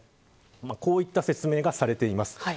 こういった説明がされています。